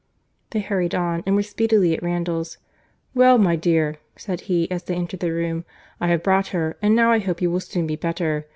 They hurried on, and were speedily at Randalls.—"Well, my dear," said he, as they entered the room—"I have brought her, and now I hope you will soon be better.